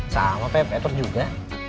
sama peh petur juga